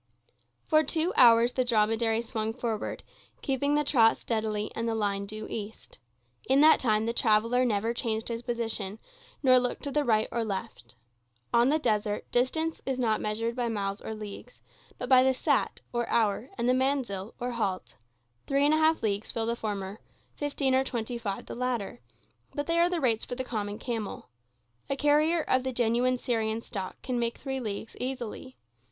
For two hours the dromedary swung forward, keeping the trot steadily and the line due east. In that time the traveller never changed his position, nor looked to the right or left. On the desert, distance is not measured by miles or leagues, but by the saat, or hour, and the manzil, or halt: three and a half leagues fill the former, fifteen or twenty five the latter; but they are the rates for the common camel. A carrier of the genuine Syrian stock can make three leagues easily.